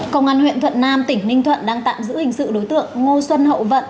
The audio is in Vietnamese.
công an huyện thuận nam tỉnh ninh thuận đang tạm giữ hình sự đối tượng ngô xuân hậu vận